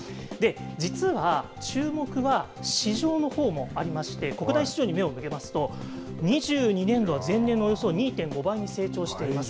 実は、注目は市場のほうにもありまして、国内市場に目を向けますと、２２年度は前年のおよそ２．５倍に成長しています。